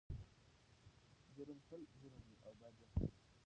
جرم تل جرم وي او باید وڅیړل شي.